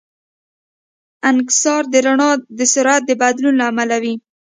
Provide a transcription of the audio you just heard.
انکسار د رڼا د سرعت د بدلون له امله وي.